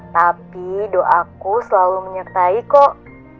tapi doaku selalu menyertai kok